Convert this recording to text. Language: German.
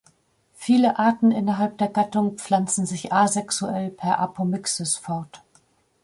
Viele Arten innerhalb der Gattung pflanzen sich asexuell per Apomixis fort.